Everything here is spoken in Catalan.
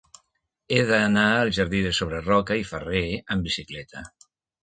He d'anar al jardí de Sobreroca i Ferrer amb bicicleta.